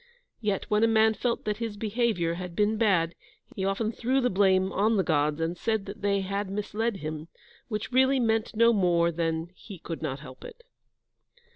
Yet, when a man felt that his behaviour had been bad, he often threw the blame on the Gods, and said that they had misled him, which really meant no more than that "he could not help it."